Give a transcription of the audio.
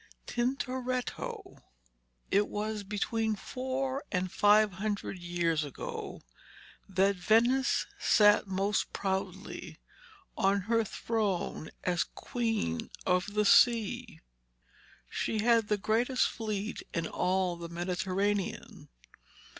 TINTORETTO It was between four and five hundred years ago that Venice sat most proudly on her throne as Queen of the Sea. She had the greatest fleet in all the Mediterranean.